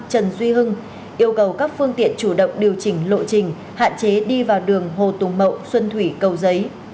trần duy hưng yêu cầu các phương tiện chủ động điều chỉnh lộ trình hạn chế đi vào đường hồ tùng mậu xuân thủy cầu giấy